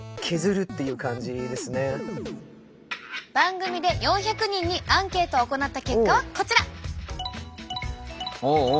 番組で４００人にアンケートを行った結果はこちら！